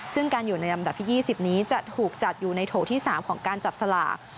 ซึ่งการอยู่ในลำดับที่๒๐นี้จะถูกจัดอยู่ในโถที่๓ของการจับสลาก